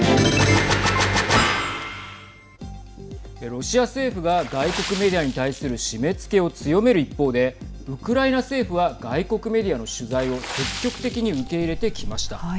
ロシア政府が外国メディアに対する締めつけを強める一方でウクライナ政府は外国メディアの取材を積極的に受け入れてきました。